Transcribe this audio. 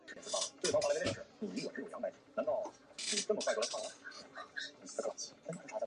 苏克现在是克罗地亚足协主席。